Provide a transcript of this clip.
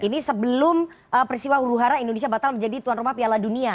ini sebelum peristiwa huru hara indonesia batal menjadi tuan rumah piala dunia